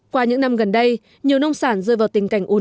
qua những năm gần đây nhiều nông sản rơi vào tình cảnh khó khăn